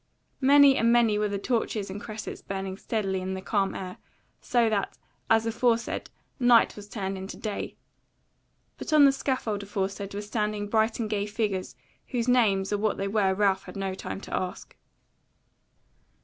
Many and many were the torches and cressets burning steadily in the calm air, so that, as aforesaid, night was turned into day. But on the scaffold aforesaid were standing bright and gay figures, whose names or what they were Ralph had no time to ask.